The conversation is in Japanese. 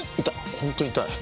本当痛い。